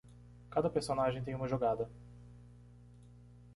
Cada personagem tem uma jogada